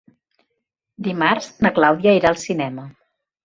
Dimarts na Clàudia irà al cinema.